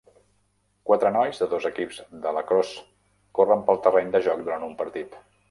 Quatre nois de dos equips de lacrosse corren pel terreny de joc durant un partit.